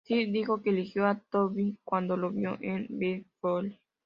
Swift dijo que eligió a Toby cuando lo vio en Feast of Love.